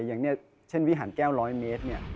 อย่างเงี้ยเช่นวิหารแก้วร้อยเมตร